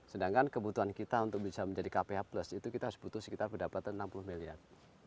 sedangkan kebutuhan kita untuk bisa menjadi kph plus itu kita harus butuh sekitar pendapatan enam puluh miliar